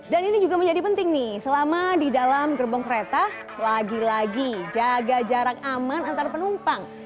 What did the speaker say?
dan ini juga menjadi penting nih selama di dalam gerbong kereta lagi lagi jaga jarak aman antar penumpang